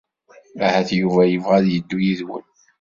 Ahat Yuba yebɣa ad yeddu yid-wen.